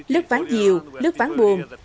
lướt ván dìu lướt ván buồn